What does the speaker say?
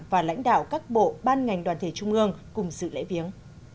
và lãnh đạo các bộ ban ngành đoàn thể trung mương cùng dự lễ viếng